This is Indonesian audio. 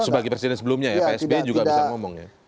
sebagai presiden sebelumnya ya pak sby juga bisa ngomong ya